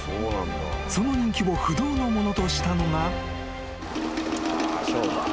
［その人気を不動のものとしたのが］